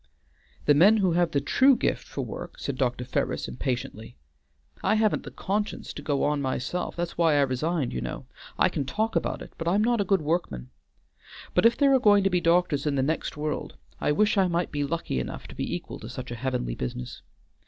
"The men who have the true gift for their work," said Dr. Ferris impatiently. "I hadn't the conscience to go on myself, that's why I resigned, you know. I can talk about it, but I am not a good workman. But if there are going to be doctors in the next world, I wish I might be lucky enough to be equal to such a heavenly business.